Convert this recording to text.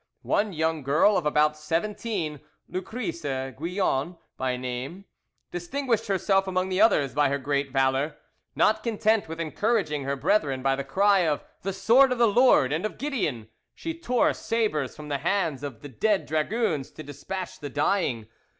One young girl of about seventeen, Lucrese Guigon by name, distinguished herself amongst the others by her great valour. Not content with encouraging her brethren by the cry of "The sword of the Lord and of Gideon!" she tore sabres from the hands of the dead dragoons to despatch the dying.